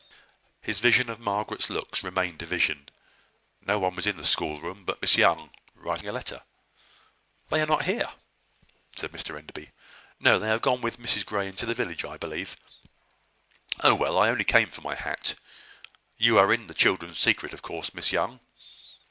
His vision of Margaret's looks remained a vision. No one was in the schoolroom but Miss Young, writing a letter. "They are not here!" said Mr Enderby. "No; they are gone with Mrs Grey into the village, I believe." "Oh, well, I only came for my hat. You are in the children's secret, of course, Miss Young?"